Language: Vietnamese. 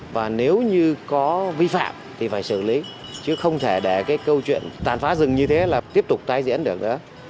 và nếu như có vi phạm thì phải xử lý chứ không thể để cái câu chuyện tàn phá rừng như thế là tiếp tục tái diễn được nữa